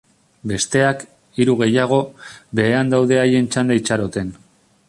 Besteak, hiru gehiago, behean daude haien txanda itxaroten.